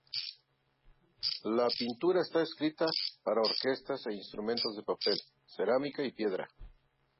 La partitura está escrita para orquesta e instrumentos de papel, cerámica y piedra.